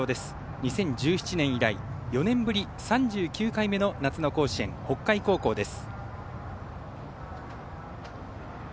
２０１７年以来４年ぶり、３９回目の夏の甲子園、北海高校です。